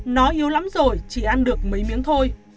nó yếu lắm rồi chị ăn được mấy miếng thôi